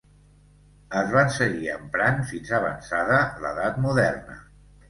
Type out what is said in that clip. Es van seguir emprant fins avançada l'Edat Moderna.